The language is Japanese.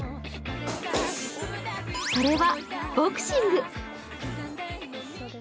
それはボクシング。